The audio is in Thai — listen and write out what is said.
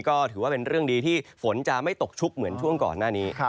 ก็ถือว่าเป็นเรื่องดีที่ฝนจะไม่ตกชุกเหมือนช่วงก่อนหน้านี้